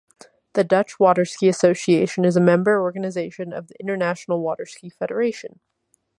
The Dutch Waterski Association is a member organization of the International Water Ski Federation.